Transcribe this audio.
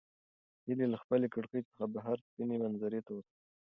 هیلې له خپلې کړکۍ څخه بهر سپینې منظرې ته وکتل.